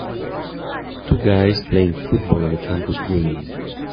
Two guys playing football on a campus green.